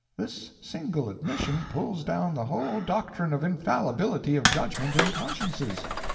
This single admission pulls down the whole doctrine of infallibility of judgment in consciences.